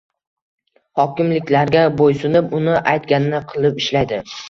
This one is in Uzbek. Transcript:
hokimliklarga bo‘ysunib, uni aytganini qilib ishlaydi.